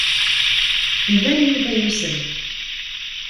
Iban Yuba yusem.